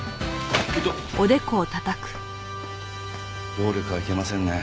暴力はいけませんね。